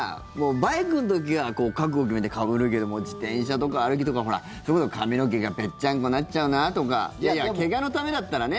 バイクの時は覚悟決めてかぶるけども自転車とか歩きとかそれこそ髪の毛がぺっちゃんこになっちゃうなとかいやいや怪我のためだったらね。